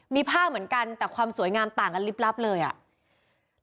มีผ้าเหมือนกันแต่ความสวยงามต่างกันลิบลับเลยอ่ะ